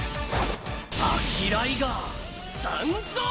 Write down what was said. アキライガー参上！